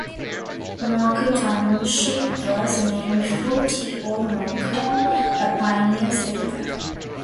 Morken Township was named for T. O. Morken, a pioneer settler.